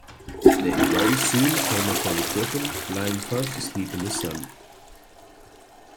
They very soon came upon a Gryphon, lying fast asleep in the sun.